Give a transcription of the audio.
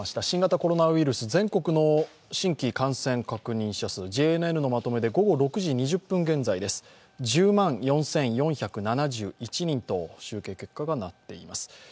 新型コロナウイルス全国の新規感染確認者数ＪＮＮのまとめで午後６時２０分現在です、１０万４４７１人と集計結果がなっています。